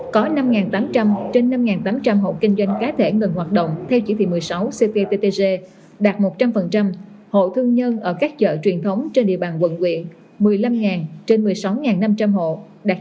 có năm tám trăm linh trên năm tám trăm linh hộ kinh doanh cá thể ngừng hoạt động theo chỉ thị một mươi sáu cptg đạt một trăm linh hộ thương nhân ở các chợ truyền thống trên địa bàn quận quyện một mươi năm trên một mươi sáu năm trăm linh hộ đạt sáu mươi